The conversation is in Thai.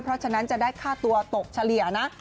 เพราะฉะนั้นจะได้ค่าตัวตกเฉลี่ยนะ